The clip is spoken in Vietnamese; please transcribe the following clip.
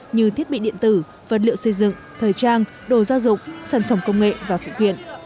như thiết bị điện tử vật liệu xây dựng thời trang đồ gia dụng sản phẩm công nghệ và phụ kiện